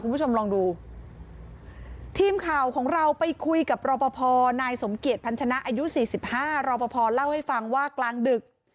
พอนายสมเกียจพันธนาอายุ๔๕รอบพอล์เล่าให้ฟังว่ากลางดึก